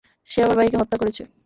সে আমার ভাইকে হত্যা করেছে।